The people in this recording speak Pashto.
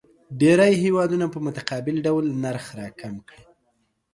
ډېری هیوادونه په متقابل ډول نرخ راکم کړي.